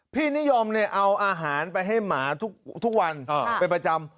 พี่นิยมเอาอาหารไปให้หมาทุกวันเป็นประจำ